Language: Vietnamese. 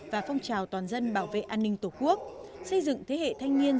và phong trào toàn dân bảo vệ an ninh tổ quốc xây dựng thế hệ thanh niên